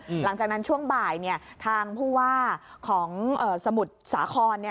อืมหลังจากนั้นช่วงบ่ายเนี่ยทางผู้ว่าของเอ่อสมุทรสาครเนี่ย